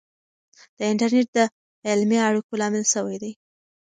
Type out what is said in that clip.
د انټرنیټ د علمي اړیکو لامل سوی دی.